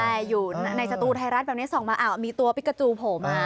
ใช่อยู่ในสตูไทยรัฐแบบนี้ส่องมามีตัวปิ๊กกาจูผม